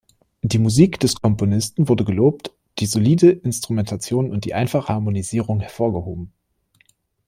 Die Musik des Komponisten wurde gelobt, die solide Instrumentation und die einfache Harmonisierung hervorgehoben.